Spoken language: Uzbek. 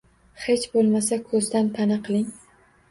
Hech bo‘lmasa, ko‘zdan pana qiling!